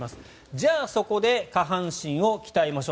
じゃあそこで下半身を鍛えましょう。